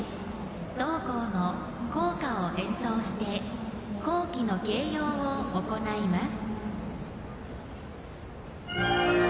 同校の校歌を演奏して校旗の掲揚を行います。